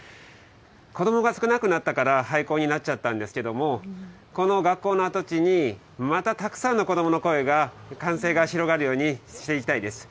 子どもが少なくなったから、廃校になっちゃったんですけれども、この学校の跡地にまたたくさんの子どもの声が、歓声が広がるようにしていきたいです。